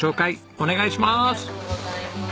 お願いします。